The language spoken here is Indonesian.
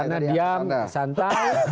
karena diam santai